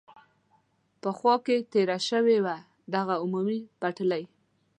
په خوا کې تېره شوې وه، دغه عمومي پټلۍ.